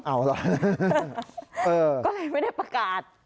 เอาล่ะก็เลยไม่ได้ประกาศ